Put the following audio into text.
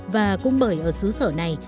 và cũng bởi ở xứ sở này